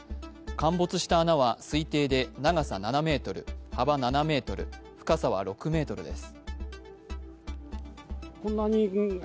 陥没した穴は推定で長さ７ｍ、幅７ｍ深さは６ｍです。